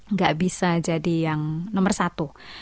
nggak bisa jadi yang nomor satu